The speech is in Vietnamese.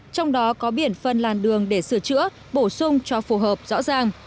trong đó có biển phân làn đường để sửa chữa bổ sung cho phù hợp rõ ràng